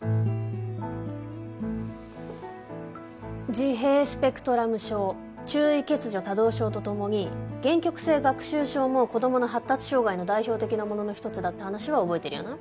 自閉スペクトラム症注意欠如・多動症と共に限局性学習症も子どもの発達障害の代表的なものの一つだって話は覚えてるよな？